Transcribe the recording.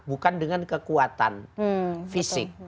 bukan dengan kekuatan fisik